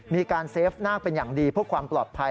มีการเซฟนาคเป็นอย่างดีเพื่อความปลอดภัย